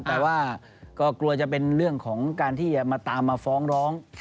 แต่ว่าก็กลัวจะเป็นเรื่องของการที่จะมาตามมาฟ้องร้อง